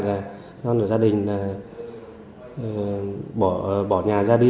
là con của gia đình bỏ nhà ra đi